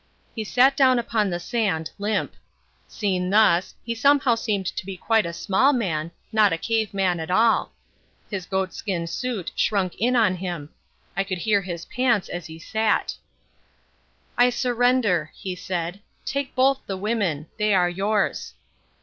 He sat down upon the sand, limp. Seen thus, he somehow seemed to be quite a small man, not a cave man at all. His goatskin suit shrunk in on him. I could hear his pants as he sat. "I surrender," he said. "Take both the women. They are yours."